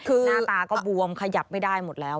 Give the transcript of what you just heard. คือหน้าตาก็บวมขยับไม่ได้หมดแล้ว